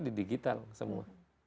di digital semua